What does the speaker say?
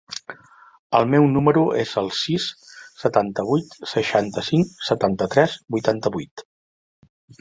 El meu número es el sis, setanta-vuit, seixanta-cinc, setanta-tres, vuitanta-vuit.